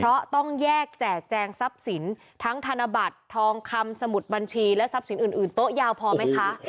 เพราะต้องแยกแจกแจงทรัพย์สินทั้งธนบัตรทองคำสมุดบัญชีและทรัพย์สินอื่นโต๊ะยาวพอไหมคะ